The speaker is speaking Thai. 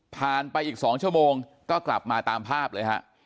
ไปอีก๒ชั่วโมงก็กลับมาตามภาพเลยฮะ